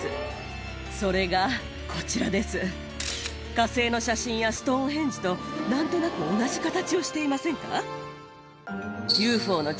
火星の写真やストーンヘンジと何となく同じ形をしていませんか？